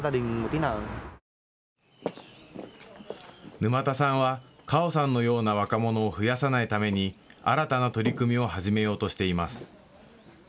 沼田さんは、カオさんのような若者を増やさないために新たな取り組みを始めようとしています。